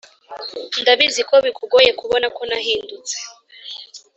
ndabizi ko bikugoye kubona ko nahindutse